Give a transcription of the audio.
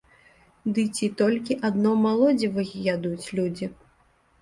Ды ці толькі адно малодзіва й ядуць людзі?